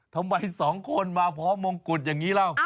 ทำไมสองคนมาพร้อมมงกุฎอย่างนี้ล่ะ